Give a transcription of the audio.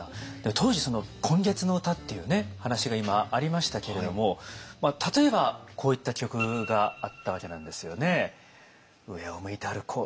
当時「今月の歌」っていうね話が今ありましたけれども例えばこういった曲があったわけなんですよね。